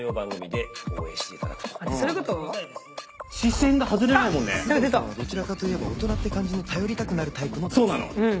須藤さんはどちらかといえば大人って感じの頼りたくなるタイプの男性